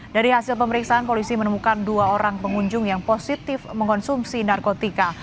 dari hasil pemeriksaan polisi menemukan dua orang pengunjung yang positif mengonsumsi narkotika